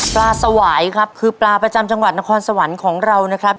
สวายครับคือปลาประจำจังหวัดนครสวรรค์ของเรานะครับ